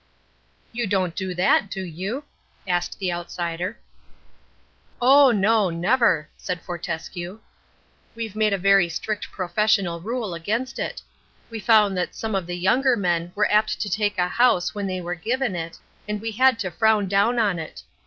"You don't do that, do you?" asked the outsider. "Oh no, never," said Fortescue. "We've made a very strict professional rule against it. We found that some of the younger men were apt to take a house when they were given it, and we had to frown down on it.